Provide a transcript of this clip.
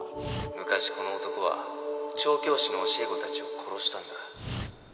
昔この男は調教師の教え子達を殺したんだ